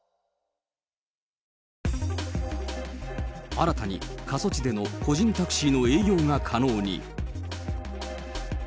新たに過疎地での個人タクシーの営業が可能に。